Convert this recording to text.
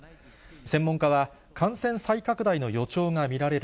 専門家は、感染再拡大の予兆が見られる。